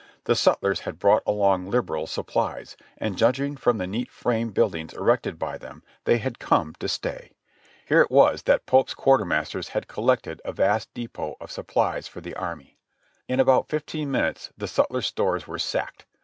The sutlers had brought along liberal supplies, and judging from the neat frame buildings erected by them, they had come to stay. Here it was 234 JOHNNY REB AND BILI^Y YANK that Pope's quartermasters had collected a vast depot of supplies for the army. In about fifteen minutes the sutler stores were sacked.